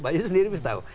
bayu sendiri bisa tahu